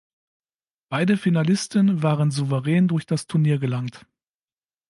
Beide Finalisten waren souverän durch das Turnier gelangt.